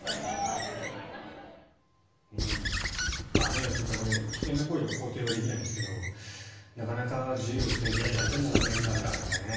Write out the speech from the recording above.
良純さん危険な行為は肯定できないですがなかなか自由を制限された数年間でしたからね。